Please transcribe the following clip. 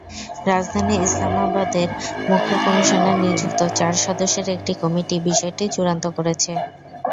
রাজধানী ইসলামাবাদের মুখ্য কমিশনার নিযুক্ত চার সদস্যের একটি কমিটি বিষয়টি চূড়ান্ত করেছে।